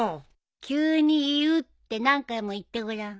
「急に言う」って何回も言ってごらん。